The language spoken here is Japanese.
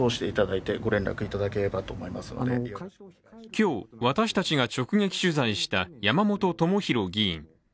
今日、私たちが直撃取材した山本朋広議員。